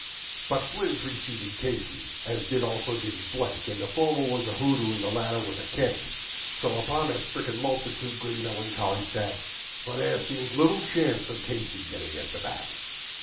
But Flynn preceded Casey, as did also Jimmy Blake, And the former was a pudd'n, and the latter was a fake, So upon the stricken multitude grim melancholy sat, For there seemed but little hope of Casey's getting to the bat.